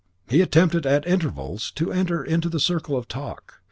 He attempted at intervals to enter into the circle of talk.